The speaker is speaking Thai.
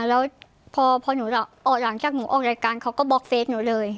แล้วพอหนูออกหลังจากหนูออกรายการเขาก็บล็อกเฟสหนูเลย